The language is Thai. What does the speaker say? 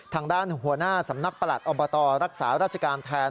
ทางด้านหัวหน้าสำนักประหลัดอบตรักษาราชการแทน